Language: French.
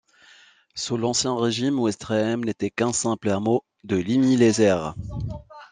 Sous l’ancien régime, Westrehem n’était qu’un simple hameau de Ligny-lès-Aire.